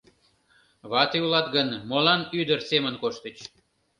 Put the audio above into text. — Вате улат гын, молан ӱдыр семын коштыч?